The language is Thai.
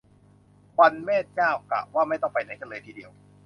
วัน แม่เจ้า กะว่าไม่ต้องไปไหนกันเลยทีเดียว